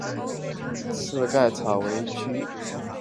刺盖草为菊科蓟属下的一个种。